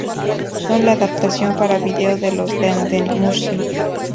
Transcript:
Son la adaptación para vídeo de los Den Den Mushi.